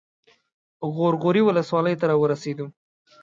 غور غوري ولسوالۍ ته راورسېدو.